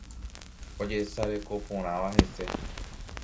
ojesarekoporãva hese